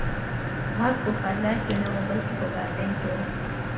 غږ په فضا کې نه و بلکې په باطن کې و.